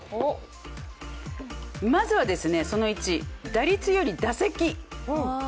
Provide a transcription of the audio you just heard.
まずはその１、打率より打席！